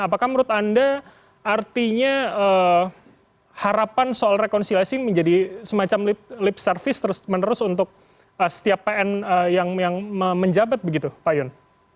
apakah menurut anda artinya harapan soal rekonsiliasi menjadi semacam lip service terus menerus untuk setiap pn yang menjabat begitu pak yon